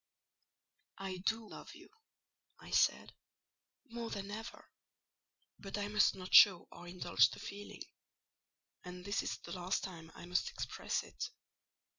"I do love you," I said, "more than ever: but I must not show or indulge the feeling: and this is the last time I must express it."